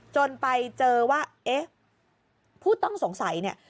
จนไปเจอว่าเอ๊ะผู้ต้องสงสัยเนี่ย